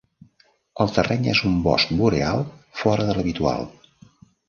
El terreny és un bosc boreal fora de l'habitual.